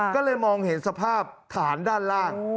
ก็เลยมองเห็นสภาพฐานด้านล่าง